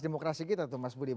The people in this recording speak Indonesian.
demokrasi kita tuh mas budi